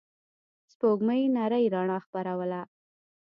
سپوږمۍ نرۍ رڼا خپروله.